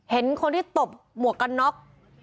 เห็นคนที่ตบหมวกกันน็อก